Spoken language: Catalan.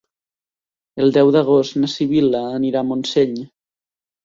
El deu d'agost na Sibil·la anirà a Montseny.